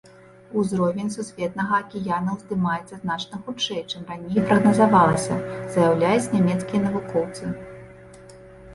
Узровень сусветнага акіяна ўздымаецца значна хутчэй, чым раней прагназавалася, заяўляюць нямецкія навукоўцы.